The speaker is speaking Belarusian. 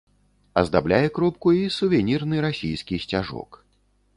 Аздабляе кропку і сувенірны расійскі сцяжок.